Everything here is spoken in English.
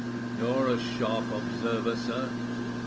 "You're a sharp observer, sir."